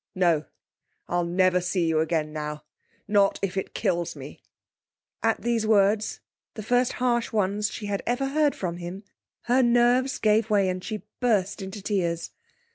No; I'll never see you again now, not if it kills me!' At these words, the first harsh ones she had ever heard from him, her nerves gave way, and she burst into tears.